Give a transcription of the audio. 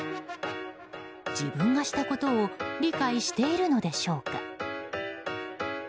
自分がしたことを理解しているのでしょうか。